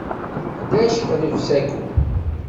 Ḥdac qleb saku.